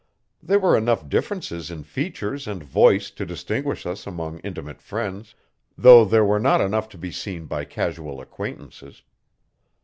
There were enough differences in features and voice to distinguish us among intimate friends, though there were not enough to be seen by casual acquaintances.